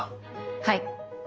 はい。